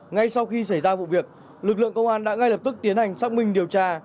ngay sau khi xảy ra vụ việc lực lượng công an đã ngay lập tức tiến hành xác minh điều tra